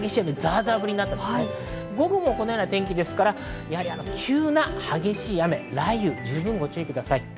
午後もこのような天気ですから、急な激しい雨、雷雨に十分にご注意ください。